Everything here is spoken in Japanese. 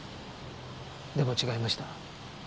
でも違いました。